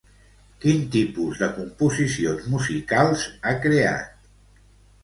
Quin tipus de composicions musicals ha creat?